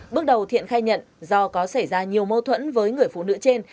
bước đầu thiện khai nhận do có xảy ra nhiều mâu thuẫn với người phụ nữ trên